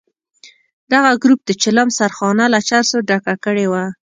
دغه ګروپ د چلم سرخانه له چرسو ډکه کړې وه.